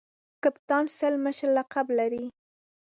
کپتان سل مشر لقب لري.